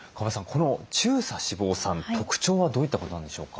この中鎖脂肪酸特徴はどういったことなんでしょうか？